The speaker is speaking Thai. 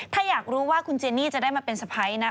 ถ้าอยากรู้ว่าคุณเจนี่จะได้มาเป็นสะพ้ายนะ